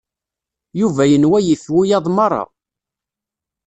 Yuba yenwa yif wiyaḍ meṛṛa.